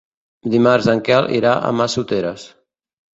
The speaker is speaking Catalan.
Dimarts en Quel irà a Massoteres.